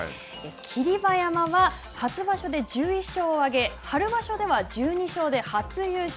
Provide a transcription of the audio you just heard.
霧馬山は、初場所で１１勝を挙げ春場所では１２勝で、初優勝。